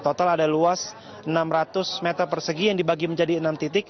total ada luas enam ratus meter persegi yang dibagi menjadi enam titik